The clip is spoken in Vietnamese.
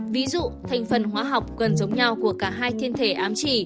ví dụ thành phần hóa học cần giống nhau của cả hai thiên thể ám chỉ